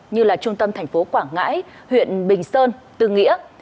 như là trung tâm thành phố quảng ngãi huyện bình sơn tư nghĩa